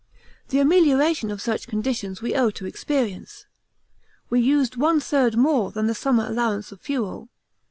The amelioration of such conditions we owe to experience. We used one third more than the summer allowance of fuel.